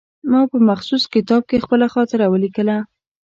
ما په مخصوص کتاب کې خپله خاطره ولیکله.